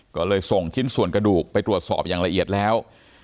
ก็เลยส่งชิ้นส่วนกระดูกไปตรวจสอบอย่างละเอียดแล้ว